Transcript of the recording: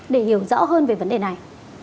để hiểu rõ hơn về vấn đề này